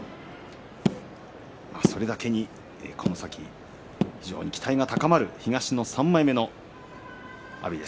それだけにこの先非常に期待が高まる東の３枚目の阿炎です。